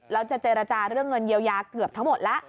แล้วจะเจรจาเรื่องเงินเยียวยาเกือบทั้งหมดแล้ว